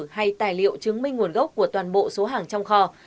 hay tài liệu chứng minh nguồn gốc của toàn bộ số hàng trong kho